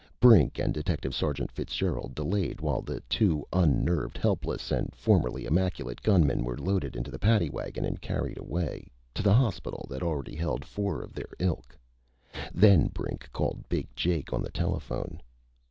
Brink and Detective Sergeant Fitzgerald delayed while the two unnerved, helpless, and formerly immaculate gunmen were loaded into the paddy wagon and carried away to the hospital that already held four of their ilk. Then Brink called Big Jake on the telephone.